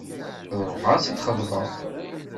Ad ruḥeɣ ad tt-id-xeḍbeɣ.